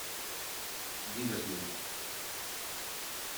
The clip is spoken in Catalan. Digues-m'ho!